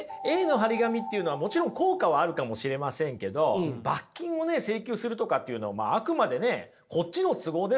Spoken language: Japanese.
Ａの貼り紙っていうのはもちろん効果はあるかもしれませんけど罰金を請求するとかっていうのはあくまでこっちの都合ですよね。